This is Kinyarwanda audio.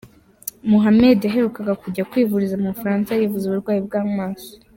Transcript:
Muhammed yaherukaga kujya kwivuriza mu Bufaransa yivuza uburwayi bw’ amaso.